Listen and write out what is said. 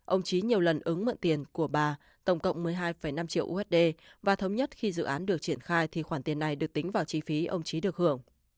ông trí nhiều lần ứng mượn tiền của bà tổng cộng một mươi hai năm triệu usd và thống nhất khi dự án được triển khai thì khoản tiền này được tính vào chi phí ông trí được hưởng